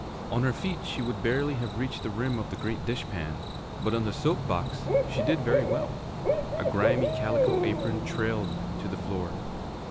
On her feet she would barely have reached the rim of the great dish pan, but on the soap box she did very well. A grimy calico apron trailed to the floor.